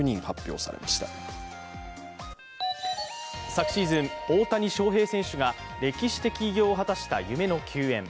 昨シーズン、大谷翔平選手が歴史的偉業を果たした夢の球宴。